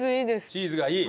チーズがいい？